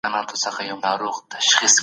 ښه ذهنیت شخړه نه زیاتوي.